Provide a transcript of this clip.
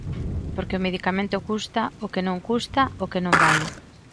Porque o medicamento custa o que non custa, o que non vale.